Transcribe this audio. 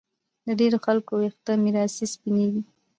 د ډېرو خلکو ویښته میراثي سپینېږي